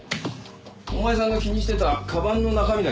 お前さんが気にしてたかばんの中身だけどね